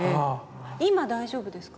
今大丈夫ですか？